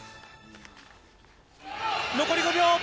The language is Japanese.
残り５秒。